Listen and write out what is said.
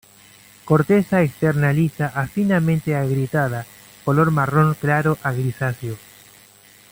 Corteza externa lisa a finamente agrietada, color marrón claro a grisáceo.